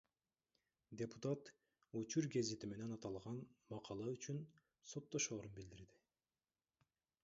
Депутат Учур гезити менен аталган макала үчүн соттошорун билдирди.